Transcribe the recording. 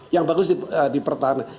yang bagus dipertahankan